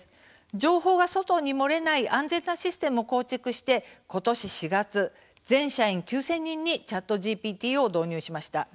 情報が外に漏れない安全なシステムを構築して今年４月、全社員９０００人にＣｈａｔＧＰＴを導入しました。